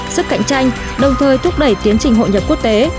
sức cạnh tranh đồng thời thúc đẩy tiến trình hội nhập quốc tế